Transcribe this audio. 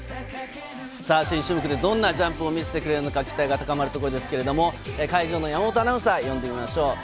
新種目でどんなジャンプを見せてくれるのか期待が高まるところですけれども、会場の山本アナウンサーを呼んでみましょう。